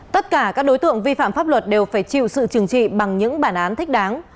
tất cả các đối tượng vi phạm pháp luật đều phải chịu sự trừng trị bằng những bản án thích đáng